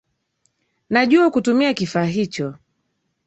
Najua kutumia kifaa hicho